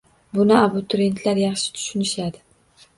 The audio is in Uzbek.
Buni abiturientlar yaxshi tushunishadi